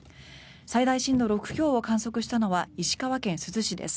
最大震度６強を観測したのは石川県珠洲市です。